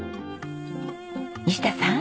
西田さん。